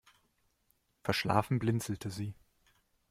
Verschlafen blinzelte sie.